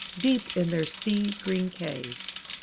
Deep in their sea green caves.